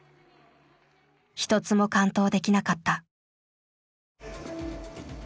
一つも完登できなかった。